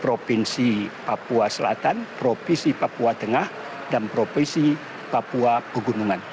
provinsi papua selatan provinsi papua tengah dan provinsi papua pegunungan